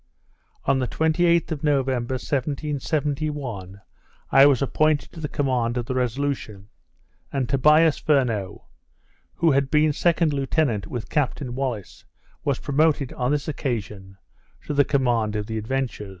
On the 28th of November, 1771, I was appointed to the command of the Resolution; and Tobias Furneaux (who had been second lieutenant with Captain Wallis) was promoted, on this occasion, to the command of the Adventure.